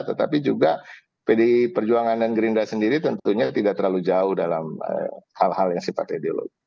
tetapi juga pdi perjuangan dan gerindra sendiri tentunya tidak terlalu jauh dalam hal hal yang sifat ideologi